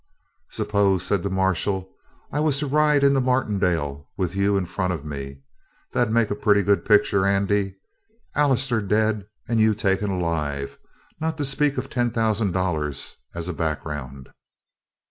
"Suppose," said the marshal, "I was to ride into Martindale with you in front of me. That'd make a pretty good picture, Andy. Allister dead, and you taken alive. Not to speak of ten thousand I dollars as a background.